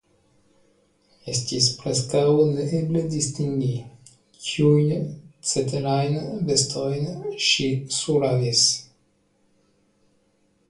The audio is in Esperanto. Estis preskaŭ neeble distingi, kiujn ceterajn vestojn ŝi surhavis.